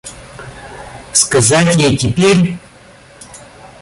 Сказать ей теперь?